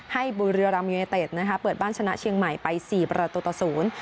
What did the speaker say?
ให้บุริยามยูเนเตตเปิดบ้านชนะเชียงใหม่ไป๔ประตูต่อ๐